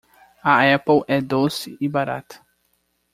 A Apple é doce e barata